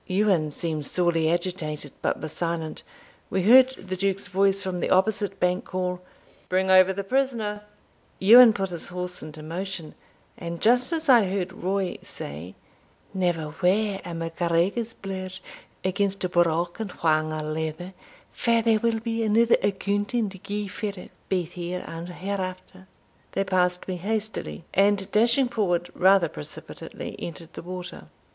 Ewan seemed sorely agitated, but was silent. We heard the Duke's voice from the opposite bank call, "Bring over the prisoner." Ewan put his horse in motion, and just as I heard Roy say, "Never weigh a MacGregor's bluid against a broken whang o' leather, for there will be another accounting to gie for it baith here and hereafter," they passed me hastily, and dashing forward rather precipitately, entered the water.